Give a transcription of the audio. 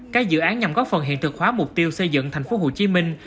các dự án nhằm góp phần hiện thực hóa mục tiêu xây dựng thành phố hồ chí minh